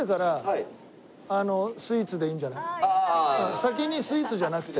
先にスイーツじゃなくて。